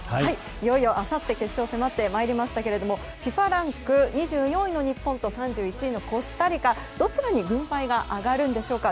いよいよあさってに迫ってまいりましたけどＦＩＦＡランク２４位の日本と３１位のコスタリカどちらに軍配が上がるでしょうか。